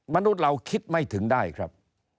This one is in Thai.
มนุษย์เราคิดไม่ถึงได้ครับ